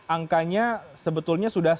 angkanya sebetulnya sudah